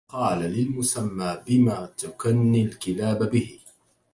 قل للمسمى بما تكنى الكلاب به